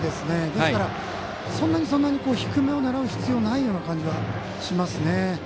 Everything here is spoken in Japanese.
ですから、そんなに低めを狙う必要はない感じがしますね。